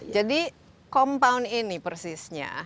jadi compound ini persisnya